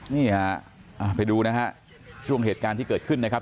นี่ฮะไปดูนะฮะช่วงเหตุการณ์ที่เกิดขึ้นนะครับ